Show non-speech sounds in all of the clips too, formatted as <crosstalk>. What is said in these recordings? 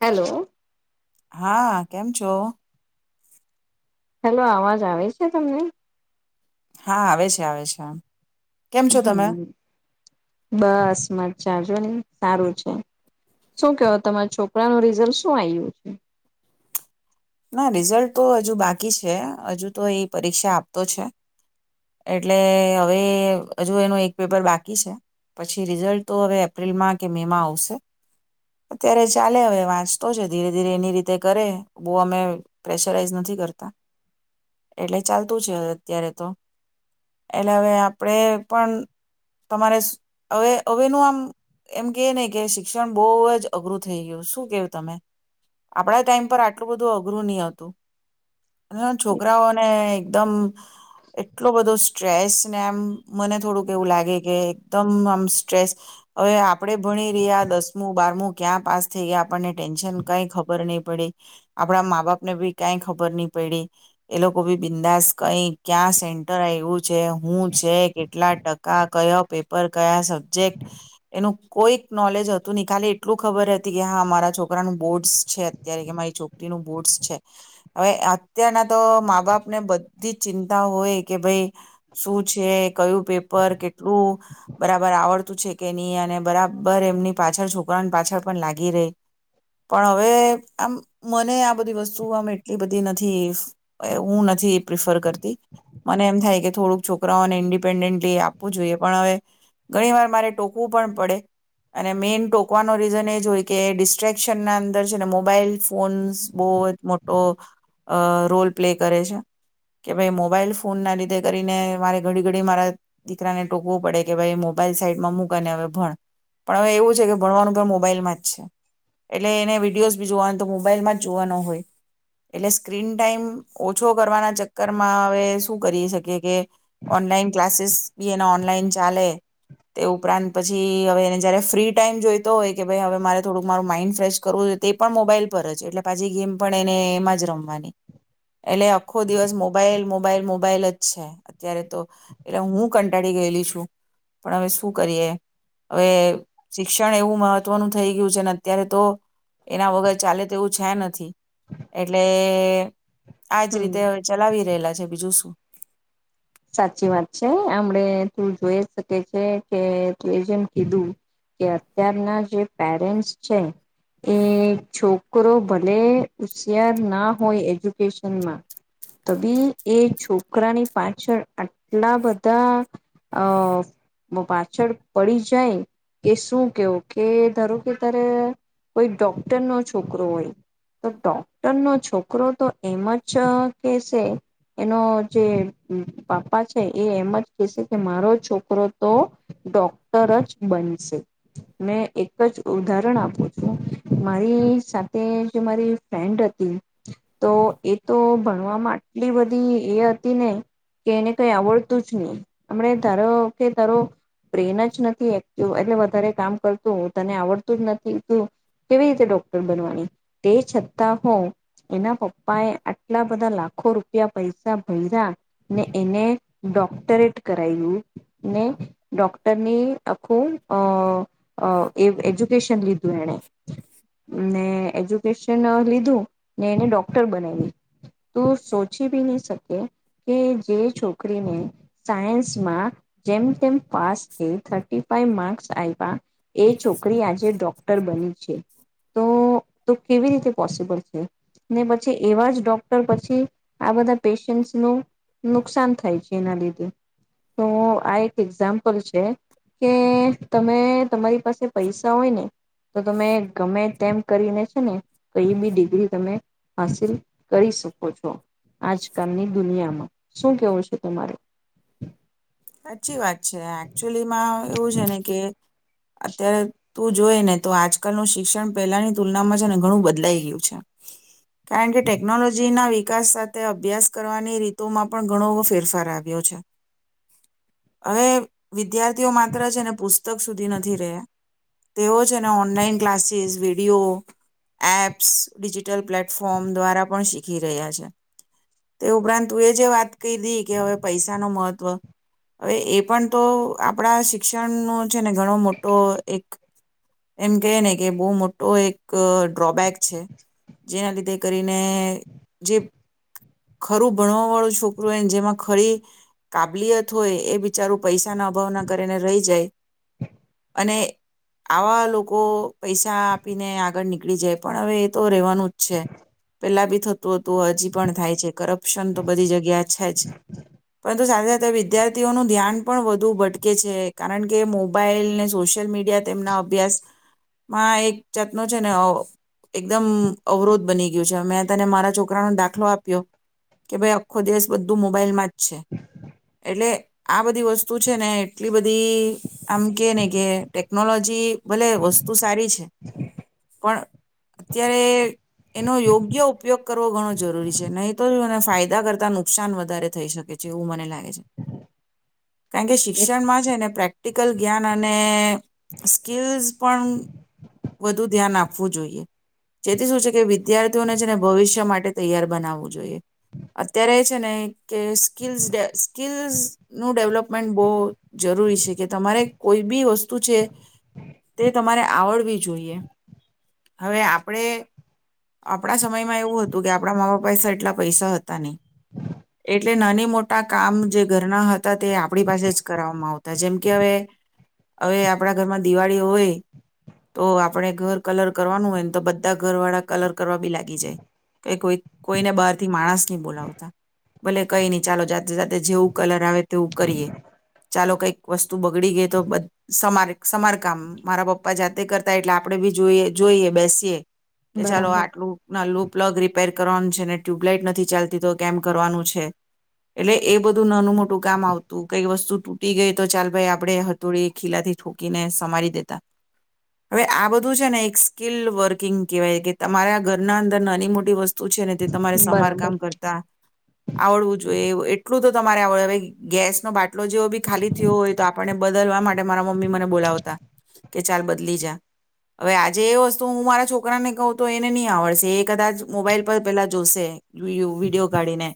Hello હા કેમ છો? હેલો અવાજ આવે છે તમને? હા આવે છે આવે છે આમ. હમમ બસ મજા માં જોને સારું છે. શું કે તમારા છોકરા નું રિઝલ્ટ શું આયુ છે? ના રિઝલ્ટ તો હજુ બાકી છે. હજુ તો એ પરીક્ષા આપતો છે એટલે હવે હજુ એનો એક પેપર બાકી છે પછી રિઝલ્ટ તો હવે એપ્રિલમાં કે મે માં આવશે. અત્યારે ચાલે હવે વાંચતો છે ધીરે ધીરે એની રીતે કરે બો અમે પ્રેશરાઈઝ નથી કરતા, એટલે ચાલતું છે અત્યારે તો, એટલે હવે આપડે પણ તમારે હવે હવેનું આમ એમ કે ને કે શિક્ષણ બોજ અઘરું થઈ ગયું, શું કેવું તમે? આપડા ટાઈમ પર એટલું બધું અઘરું ની હતું અને છોકરાઓને એકદમ એટલો બધો સ્ટ્રેસ ને આમ મને થોડુંક એવું લાગે કે એકદમ આમ સ્ટ્રેસ હવે આપડે ભણી રહ્યા દસમું બારમું ક્યાં પાસ થઈ ગયા આપણને ટેન્શન કઈ ખબર નહી પડી. આપડા મા બાપને બી કઈ ખબર નહી પઈડી એ લોકો ભી બિંદાસ કઈ ક્યાં સેન્ટર આવું છે હું છે કેટલા ટકા કયો પેપર કયા સબ્જેક્ટ એનું કોઈક નોલેજ હતું નનહીં ખાલી એટલું ખબર હતી કે હા મારા છોકરા નું બોર્ડસ છે અત્યારે કે મારી છોક રી નું બોટસ છે. હવે અત્યારના તો મા બાપ ને બધી જ ચિંતા હોય કે ભાઈ શું છે કયું પેપર કેટલું બરાબર આવડતું છે કે નહી અને બરાબર એમની પાછળ છોકરાની પાછળ પણ લાગી રે પણ હવે આમ મને આ બધી વસ્તુ આમ એટલી બધી નથી એ હું નથી પ્રિફર કરતી મને એમ થાય કે થોડુંક છોકરાઓને ઇન્ડિપેન્ડન્ટલી આપવું જોઈએ પણ હવે ઘણી વાર મારે ટોકવું પણ પડે અને મેઇન ટોકવાનો રીઝન એ જ હોય કે ડિસ્ટ્રેક્શનના અંદર છે ને મોબાઈલસ ફોન્સ બહુ જ મોટો અહ રોલ પ્લે કરે છે કે ભાઈ મોબાઈલ ફોનના લીધે કરીને મારે ઘડી ઘડી મારા દીકરાને ટૂકવું પડે કે ભાઈ મોબાઈલ સાઈડમાં મૂક અને હવે ભણ. પણ હવે એવું છે કે ભણવાનું પણ મોબાઈલમાં જ છે. એટલે એને વિડીયોઝ બી જોવાન તો મોબાઈલમાં જ જોવાનો હોય. એટલે સ્ક્રીન ટાાઈમ ઓછો કરવાના ચક્કરમાં હવે શું કરી શકીએ કે ઓનલાઈન ક્લાસીસ બી એના ઓનલાઈન ચાલે તે ઉપરાંત પછી હવે એને જયારે ફ્રી ટાઈમ જોઈતો હોય કે ભાઈ હવે મારે થોડુંક મારું માઈન્ડ ફ્રેશ કરવું જો તે પણ મોબાઈલ પર અજ એટલે પાછી ગેમ પણ એને એમાં જ રમવાની. એટલે આખો દિવસ મોબાઈલ મોબાઈલ મોબાઈલ જ છે અત્યારે તો એટલે હું કંટાળી ગયેલી છું પણ હવે શું કરીએ હવે શિક્ષણ એવું મહત્વનું થઈ ગયું છે અત્યારે તો એના વગર ચાલે તેવું છે નથી, એટલે આજ હમ રીતે હવે ચલાવી રહેલા છે બીજું શું. સાચી વાત છે આમડ તું જોઈ અજ શકે છે કે તું એ જેમ કીધું કે અત્યારના જે પેરેન્ટસ છે એ છોકરો ભલે હુશિયાર ના હોય એજ્યુકેશનમાં તો બી એ છોકરાની પા છળ આટલા બધા અહ પાછળ પડી જાય કે શું કેવું કે ધારો કે તારે કોઈ ડોક્ટર નો છોકરો હોય. તો ડોક્ટર નો છોકરો તો એમ જ કેશે એનો જે અહ પાપા છે એ એમ જ કેશે કે મારો છોકરો તો ડોક્ટર જ બનશે. મેં એક જ ઉદાહરણ આપું છું મારી સાથે જે મારી ફ્રેન્ડ હતી તો એ તો ભણવામાં આટલી બધી એ હતી ને કે એને કઈ આવડતું જ નહી. હમણે કે તારો કે તારો પ્રેન જ નથી એક એટલે વધારે કામ કરતું તને આવડતું જ નથી તો કેવી રીતે ડોક્ટર બનવાની તે છતાં હ એના પપ્પા એ આટલા બધા લાખો રૂપિયા પૈસા ભર્યા ને એને ડોક્ટરેટ કરાવું ને ડોક્ટરની આખું અહ અહ એ એજ્યુકેશન લીધું એને. ને એજ્યુકેશન લીધું ને એને ડોક્ટર બનાવી્યું તું સોચી બી નહી શકે કે જે છોકરીને સાયન્સમાં જેમ તેમ પાસ થી થર્ટી ફાઈવ માર્ક્સ <inaudible> એ છોકરી આજે ડોક્ટર બની છે. તોઓ તો કેવી રીતે પોસિબલ છે ને પછી એવા જ ડોક્ટર પછી આ બધા પેશન્ટ નું નુકસાન થાય છે એના લીધે. તો આ એક એક્ઝામ્પલ છે કે તમે તમારી પાસે પૈસા હોય ને તો તમે ગમે તેમ કરીને છે ને કઈ બી ડિગ્રી તમે હાસિલ કરી શકો છો આજકાલની દુનિયામાં. શું કેવું છે તમારેું? સાચી વાત છે એકચયુલીમાં એવું છે ને કે અત્યારે તું જોઈ ને તો આજકાલનું શિક્ષણ પહેલાની તુલનામાં છે ને ઘણું બદલાઈ ગયું છે કારણ કે ટેકનોલોજીના વિકાસ સાથે અભ્યાસ કરવાની રીતોમાં પણ ઘણો એવો ફેરફાર આવ્યો છે હવે વિદ્યાર માત્ર છે ને પુસ્તક સુધી નથી રહ તેઓ છેને online classes video apps digital platform દ્વારા પણ શીખી રહ્યા છે તે ઉપરાંતું એ જે વાત કહી હતી કે હવે પૈસા ન મહત્ત્વ હવે એ પણ તો આપણા શિક્ષણનો છે ને ઘણો મોટો એક એમ ક ને કે બહુ મોટો એક ડ્રોબેક છે જેના લીધે કરીને જે ખરું ભણવા વાળું છોકરો એને જેમાં ખરી કાબલિયત હોય એ બિચારું પૈસાના અભાવ ના કરીને રહી જાય અને આવા લોકો પૈસા આપીને આગળ નીકળી જાય પણ હવે એ તો રહેવાનું જ છે પેલા બી થતું હતું હજી પણ થાય છે કરપ ઓપ્શન તો બધી જગ્યા છે જ પણ સાથે સાથે વિદ્યાર્થીઓનું ધ્યાન પણ વધુ ભટકે છે કારણ કે મોબાઈલને સોશિયલ મીડિયા તેમના અભ્યાસમાં એક જાતનો છે ને એકદમ અવરોધ બની ગયું છે મેં તને મારા છોકરાનો દાખલો આપ્યો કે ભાઈ આખો દિવસ બધું મોબાઈલમાં જ છે એટલે આ બધી વસ્તુ છે ને એટલી બધી આમ કે ને કે ટેકનોલોજી ભલે વસ્તુ સારી છે પણ અત્યારે એનો યોગ્ય ઉપયોગ કરવો ઘણો જરૂરી છે નહીં તો ફાયદા કરતા નુકસાન વધારે થઈ શકે છે એવું મને લાગે છે કારણ કે એ શિક્ષણમાં છે ને પ્રેક્ટ પ્રેક્ટિકલ જ્ઞાન અને સ્કિલ્સ પણ વધુ ધ્યાન આપવું જોઈએ જેથી શું છે કે વિદ્યાર્થીઓને છે ને ભવિષ્ય માટે તૈયાર બનાવવું જોઈએ અત્યારે એ છે ને કે સ્કિલ્સ સ્કીલ્સનું ડેવલપમેન્ટ બહુ જરૂરી છે કે તમારે કોઈ બી વસ્તુ છે તે તમારે આવડવી જોઈએ હવે આપણે આપણા સમયમાં એવું હતું કે આપણા મા બાપાસા એટલા પૈસા હતા નહીં એટલે નાની મોટા કામ જે ઘરના હતા તે આપણી પાસે જ કરવામાં આવતા જેમ કે હવે હવે આપણા ઘરમાં દિવાળી હોય તો આપણે ઘર કલર કરવાનું હોય ને તો બધા ઘર વાળા કલર કરવા બી લાગી જાય કે કોઈ કોઈને બહારથી માણસ નહી બોલાવતા ભલે કઈ નહી ચાલો જાત જાતે જેવું કલર આવે તેવું કરીએ ચાલો કઈક વસ્તુ બગડી ગઈ તો બ સમારે સમારકામ મારા પપ્પા જાતે કરતા એટલે આપણે બી જોઈએ જોઈએ બેસીએ કે ચાલો બરાબર આટલું નાલું પલગ રી રિપેર કરવાનું છે અને ટ્યુબલાઇટ નથી ચાલતી તો કેમ કરવાનું છે એટલે એ બધું નાનું મોટું કામ આવતું કઈ વસ્તુ તૂટી ગઈ તો ચાલ ભાઈ આપણે હથોળી ખીલાથી ઠોકીને સમારી દેતા હવે આ બધું છે ને એક સ્કીલ વર્કિંગ કેહેવાય કે તમારા ઘરના અંદર નાની મોટી વસ્તુ છે ને તે તમારે સમાર બરાબર કામ કરતા આવડવું જોઈએ એ એટલું તો તમારે આવડ ગેસનોો બાટલો જેવો બી ખાલી થયો હોય તો આપણને બદલવા માટે મારા મમ્મી મને બોલાવતા કે ચાલ બદલી જા હવે આજે એ વસ્તુ હું મારા છોકરાને કહું તો એને નહી આવડશે એ કદાચ મોબાઈલ પર પેલા જોશે વિડીયો કાઢીને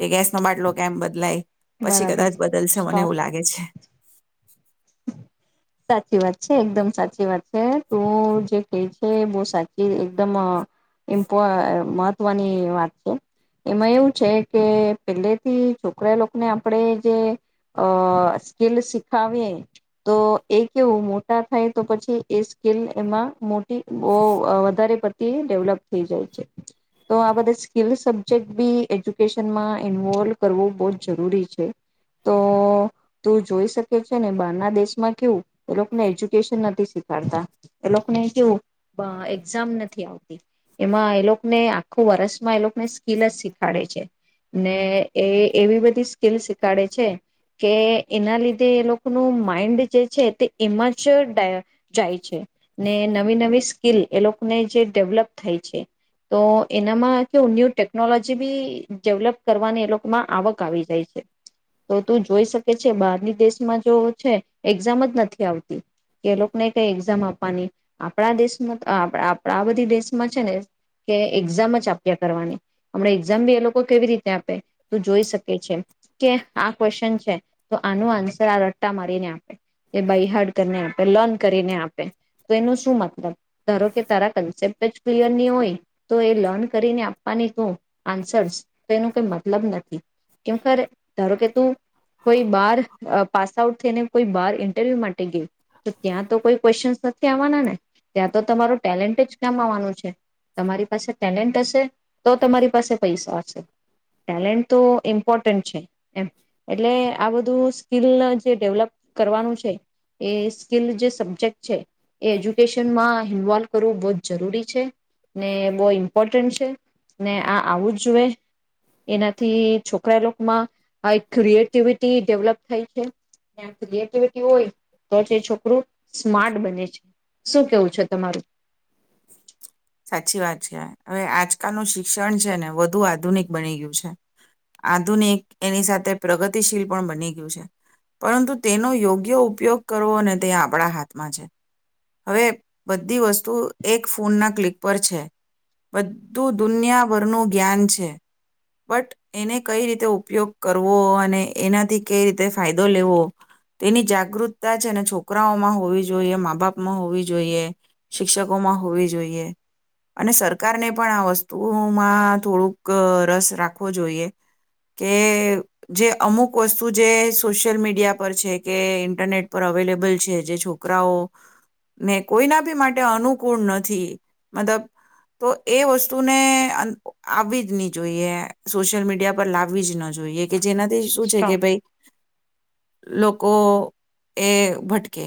કે ગેસનો બાટલો કેમ બદલાય પછી બરાબર કદાચ બદલશે મને સ્ટોપ એવું લાગે છે <inaudible> સાચી વાત છે એકદમ સાચી વાત છે તું જે ક છે બહુ સાચી એકદમ અ ઇમ્પો મહત્વની વાત છે એમાં એવું છે કે પેલેથી છોકરા લોકોને આપણેે જે અ સ્કીલ શીખાવીએ તો એ કેવું મોટા થાય તો પછી એ સ્કેલ એમાં મો બો અ વધારે ડેવલપ થઈ જાય છે તો આ બઘી સ્કીલ સબ્જેક્ટ બી એજ્યુકેશનમાં ઈન્વોલ્ કરવું બ જરૂરી છે તો તું જોઈ શકે છે ને બ દેશમાં કેવું એ લોકને એજુકેશન નથી શીખાડતા એ લોકોને કેું એક્ઝામ નથી આવતી એમાં એ લોકોને આખું વર્ષમાં એ લોકોને સ્કિલ જ શીખાડે છે ને એવી બધી સ્કિલ શીખાડે છે કે એના લીધે એ લોકોનું માઇન્ડ ભી જે છે તે એમાં જ જાય છે ને નવી નવી સ્કીિલ એ લોકોને જે ડેવલપ થાય છે તો એનામાં કે ન્યૂ ટેકનોલોજી બી ડેવલપ કરવાની એ લોકોમાં આવક આવી જાય છે તો તું જોઈ શકે છે બહારની દેશમાં જો છે. એક્ઝામ જ નથી આવતી કે એ લોકોને કઈ એક્ઝામ આપવાની આપણા દેશમાં આપ આપ આ બધી દેશમાં છે ને કે એક્ઝામ જ આપ્યા કરવાની હમણા એક્ઝામ બી એ લોકો કેવી રીતે આપે ત જોઈ શકે છે કે આ ક્વેશ્ચન છે તો આનું આન્સર આ રટ્ટા મારીને આપે. એ બાય હાર્ડ કરીને આપે લર્ન કરીને આપે તો એનું શું મતલબ ધારો કે તારા કન્સેપ્ટ જ ક્લિયર નહી હોય તો એ લર્ન કરીને આપવાની તું આન્સર્સ તો એનું કઈ મતલબ નથી કેર ધારો કે તું કોઈ બાર પાસ આઉટ થઈને. કોઈ બાર ઇન્ટરવ્યુ માટે ગયું તો ત્યાં તો કોઈ ક્વેશ્ચનસ નથી આવવાના ને ત્યાં તો તમારો ટેલેન્ટ જ કામ આવવાનું છે તમારી પાસે ટેલેન્ટ હશે તો તમારી પાસે પૈસા હશે ટેલેન્ટ તો ઇમ્પોર્ટન્ટ છે એમ એટલે આ બધું સ્કિલ જે ડેવલપ કરવાનું છે એ સ્કીિલ જે સબ્જેક્ટ છે એ એજ્યુકેશનમાં ઇન્વોલ્વ કરવું બહુ જ જરૂરી છે ને બહુ ઇમ્પોર્ટન્ટ છે ને આ આવું જ જોુએ એનાથી છોકરા લોકોમાં આ એક ક્રિએટિવિટી ડેવલપ થાય છે ક્રએિટીવીટી હોય તો જ એ છોકરું સ્માર્ટ બને છે શું કેવું છે તમારું સાચી વાત છે આ હવે આજકાલનું શિક્ષણ છે ને વધુ આધુનિક બની ગયું છે આધુનિક એની સાથે પ્રગતિશીલ પણ બની ગયું છે પરંતુ તેનો યોગ્ય ઉપયોગ કરવો ને તે આપણા હાથમાં છે હવે બધી વસ્તુ એક ફોનના ક્લિક ઉપર છે બધું દુનિયાભરનું જ્ઞાન છે બટ એને કઈ રીતે ઉપયોગ કરવો અને એનાથી કઈ રીતે ફાયદો લેવો તેની જાગૃતતા છે ને છોકરાઓમાં હોવી જોઈએ મા બાપમાં હોવી જોઈએ શિક્ષકોમાં હોવી જોઈએ અને સરકારને પણ આ વસ્તુમાં થોડુંક રસ રાખવો જોઈએ કે જે અમુક વસ્તુ જે સોશિયલ મીડિયા પર છે કે ઇન્ટરનેટ પર અવેલેબલ છે જે છોકરાઓ ને કોઈના બી માટે અનુકૂળ નથી મતલબ તો એ વસ્તુને આવવી જ નહી જોઈએ સોશિયલ મીડિયા પર લાવવી જ ન જોઈએ કે જેનાથી શું છે કે સ્ટોપ ભાઈ લોકો એ ભટકે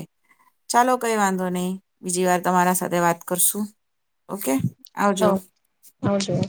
ચાલો કઈ વાંધો નહી બીજી વાર તમારા સાથે વાત કરશું ઓકે આવજો હા આવ જો <inaudible>